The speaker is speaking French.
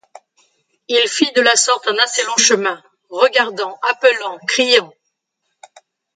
Il fit de la sorte un assez long chemin, regardant, appelant, criant.